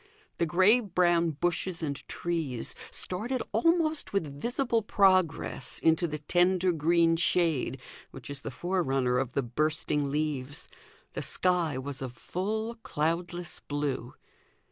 The grey brown bushes and trees started almost with visible progress into the tender green shade which is the forerunner of the bursting leaves. The sky was of full cloudless blue.